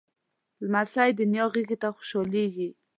لمسی د نیا غېږ ته خوشحالېږي.